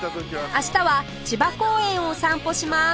明日は千葉公園をお散歩します